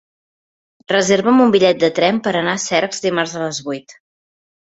Reserva'm un bitllet de tren per anar a Cercs dimarts a les vuit.